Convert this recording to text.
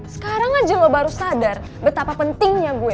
sekarang aja lo baru sadar betapa pentingnya gue